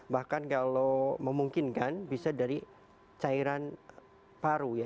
bahkan kalau memungkinkan bisa dari cairan paru ya